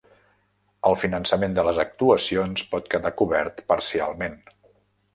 El finançament de les actuacions pot quedar cobert parcialment.